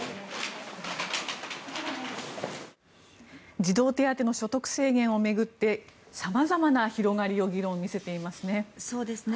児童手当の所得制限を巡って様々な広がりを議論、見せていますね。